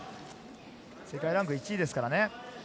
世界ランク１位ですからね。